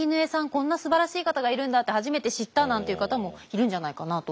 こんなすばらしい方がいるんだ」って初めて知ったなんていう方もいるんじゃないかなと思います。